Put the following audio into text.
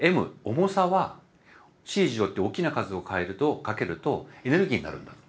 重さは「ｃ」って大きな数をかけるとエネルギーになるんだと。